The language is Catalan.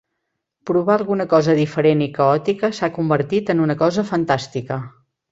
Provar alguna cosa diferent i caòtica s'ha convertit en una cosa fantàstica.